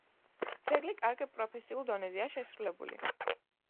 ძეგლი კარგ პროფესიულ დონეზეა შესრულებული.